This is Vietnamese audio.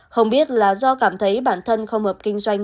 không biết là do cảm thấy bản thân không hợp kinh doanh